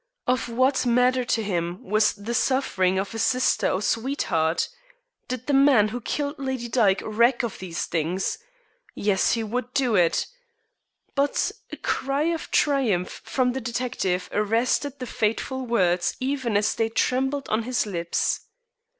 Of what matter to him was the suffering of a sister or sweetheart? Did the man who killed Lady Dyke reck of these things? Yes, he would do it But a cry of triumph from the detective arrested the fateful words even as they trembled on his lips.